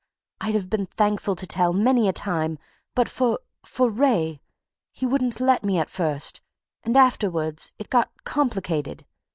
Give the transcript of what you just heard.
I'd have been thankful to tell, many a time, but for for Wraye. He wouldn't let me at first, and afterwards it got complicated.